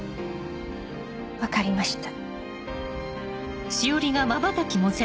分かりました。